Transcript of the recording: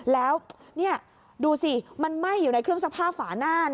แล้วนี่ดูสิมันไหม้อยู่ในเครื่องซักผ้าฝาหน้า